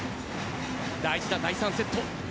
大事な第３セット。